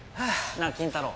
なあ筋太郎